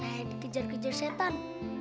kayak dikejar kejar setan